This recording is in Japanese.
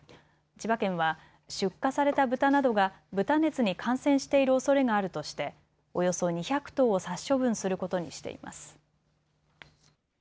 千葉県は出荷されたブタなどが豚熱に感染しているおそれがあるとしておよそ２００頭を殺処分することにしています。